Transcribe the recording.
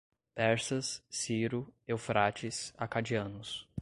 Persas, Ciro, Eufrates, acadianos